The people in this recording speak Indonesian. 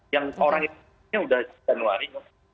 yang orang itu sudah januari